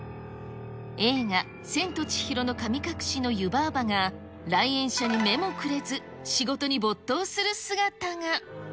映画、千と千尋の神隠しの湯婆婆が来園者に目もくれず、仕事に没頭する姿が。